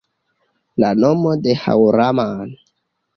La nomo de Haŭraman